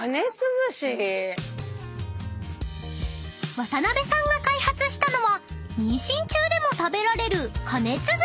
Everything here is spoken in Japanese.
［渡邊さんが開発したのは妊娠中でも食べられる］